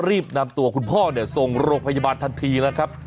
รีบนำตัวคุณพ่อส่งโรงพยาบาลทันทีนะครับ